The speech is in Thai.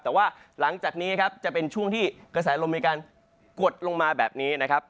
แต่ว่าหลังจากนี้ครับจะเป็นช่วงที่กระแสลมมีการกดลงมาแบบนี้นะครับ